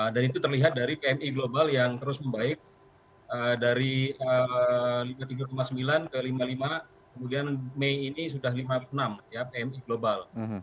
dan itu terlihat dari pmi global yang terus membaik dari tiga sembilan ke lima lima kemudian mei ini sudah lima enam pmi global